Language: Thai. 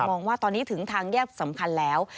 มองว่าตอนนี้ถึงทางแยกสำคัญแล้ว